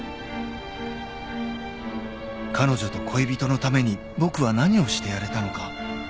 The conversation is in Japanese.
［彼女と恋人のために僕は何をしてやれたのか？］